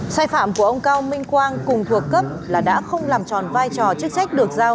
sai phạm của ông cao minh quang cùng thuộc cấp là đã không làm tròn vai trò chức trách được giao